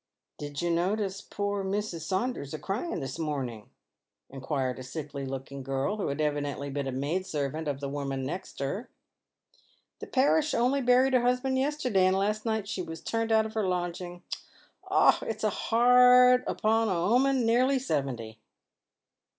" Did you notice poor Mrs. Saunders a crying this morning ?" inquired a sickly looking girl, who had evidently been a maid servant, of the woman next her ;" the parish only buried her husband yester day, and last night she was turned out of her lodging. Ah ! it's hard upon a 'oman near seventy."